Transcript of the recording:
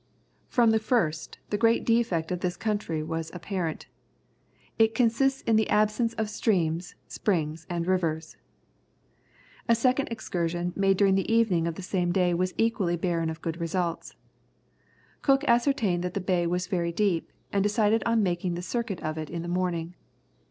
From the first, the great defect of this country was apparent. It consists in the absence of streams, springs, and rivers! A second excursion made during the evening of the same day was equally barren of good results. Cook ascertained that the bay was very deep, and decided on making the circuit of it in the morning.